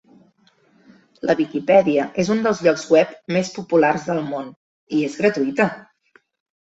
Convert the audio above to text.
La Viquipèdia és un dels llocs web més populars del món, i és gratuïta!